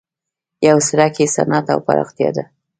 یو څرک یې صنعت او پراختیا ده.